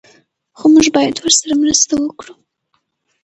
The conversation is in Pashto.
خو موږ باید ورسره مرسته وکړو.